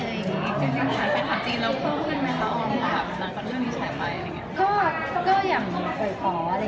จริงหาไปทางจีนแล้วเพิ่มขึ้นไหมแล้วออมขอบคำตัวนี้ใช้ไป